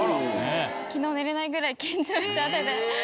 昨日寝れないぐらい緊張しちゃってて。